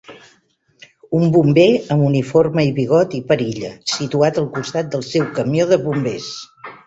un bomber amb uniforme i bigot i perilla, situat al costat del seu camió de bombers.